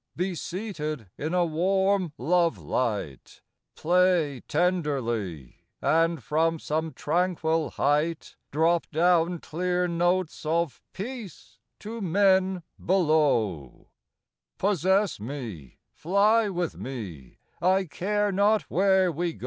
Be seated in a warm love light ; Play tenderly, and, from some tranquil height, Drop down clear notes of peace to men below : Possess me ; fly with me ; I care not where we go.